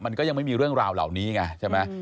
มันก็ยังไม่มีเรื่องราวเหล่านี้ไงใช่ไหม